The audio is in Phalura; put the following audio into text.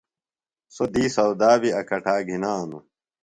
سوۡ دُئی سودا بیۡ اکٹا گِھنانوۡ۔